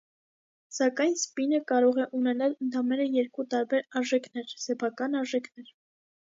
Սակայն սպինը կարող է ունենալ ընդամենը երկու տարբեր արժեքներ (սեփական արժեքներ)։